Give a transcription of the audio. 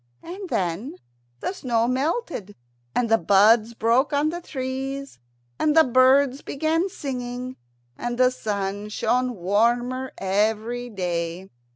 And then the snow melted, and the buds broke on the trees, and the birds began singing, and the sun shone warmer every dry.